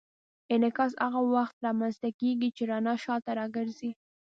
انعکاس هغه وخت رامنځته کېږي چې رڼا شاته راګرځي.